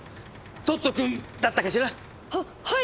トット君だったかしら。ははい！